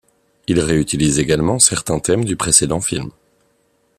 Il réutilise également certains thèmes du précédent film.